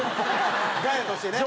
ガヤとしてね。